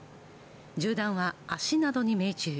銃弾は足などに命中。